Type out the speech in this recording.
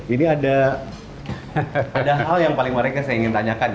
ini ada hal yang paling mereka saya ingin tanyakan